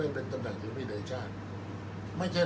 อันไหนที่มันไม่จริงแล้วอาจารย์อยากพูด